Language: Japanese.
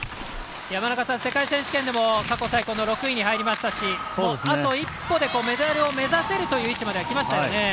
世界選手権でも過去最高の６位に入りましたしあと一歩でメダルを目指せるという位置まできましたね。